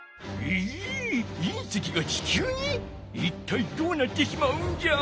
いったいどうなってしまうんじゃ？